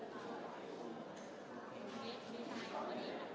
ขอบคุณครับ